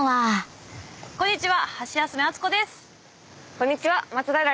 こんにちは。